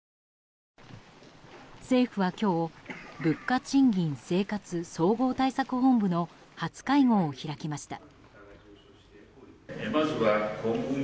政府は今日物価・賃金・生活総合対策本部の初会合を開きました。